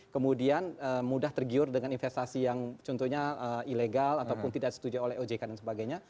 kemudian mudah tergiur dengan investasi yang contohnya ilegal ataupun tidak setuju oleh ojk dan sebagainya